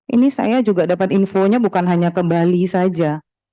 ini saya juga dapat infonya bukan hanya ke bali saja